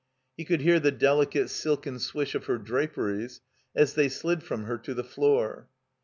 He could hear the delicate silken swish of her draperies as they slid from her to the floor.